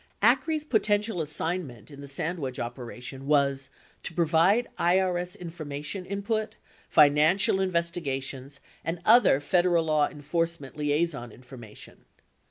54 Acree's potential assignment in the Sandwedge operation was to provide "IRS information input, financial investiga tions," and other Federal law enforcement liaison information.